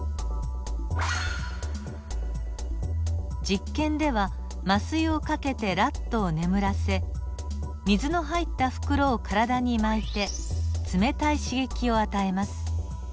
実験では麻酔をかけてラットを眠らせ水の入った袋を体に巻いて冷たい刺激を与えます。